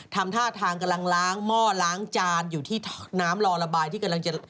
ทำท่าทางกำลังล้างหม้อล้างจานอยู่ที่น้ำรอระบายที่กำลังจะ